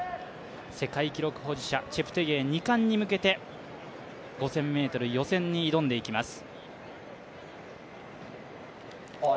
世界記録保持者チェプテゲイ２冠に向けて５０００ｍ予選に挑んでいきます。